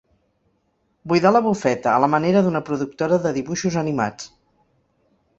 Buidar la bufeta a la manera d'una productora de dibuixos animats.